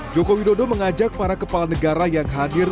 joko widodo mengajak para kepala negara yang hadir